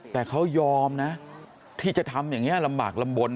แต่เขายอมนะที่จะทำอย่างนี้ลำบากลำบล